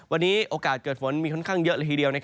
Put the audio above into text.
วันนี้โอกาสเกิดฝนมีค่อนข้างเยอะเลยทีเดียว